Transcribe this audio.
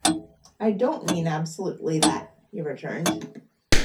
"I don't mean absolutely that," he returned.